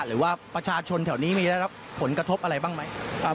หรือว่าประชาชนแถวนี้มีได้รับผลกระทบอะไรบ้างไหม